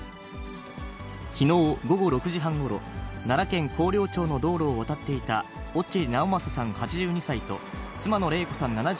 きのう午後６時半ごろ、奈良県広陵町の道路を渡っていた越智直正さん８２歳と妻の麗子さん